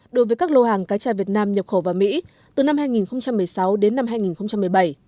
đối với các lô hàng cá tra việt nam nhập khẩu vào mỹ từ năm hai nghìn một mươi sáu đến năm hai nghìn một mươi bảy